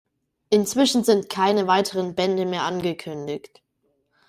Inzwischen sind keine weiteren Bände mehr angekündigt.